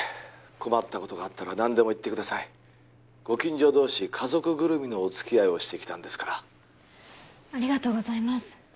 困ったことがあったら何でも言ってくださいご近所同士家族ぐるみのお付き合いをしてきたんですからありがとうございます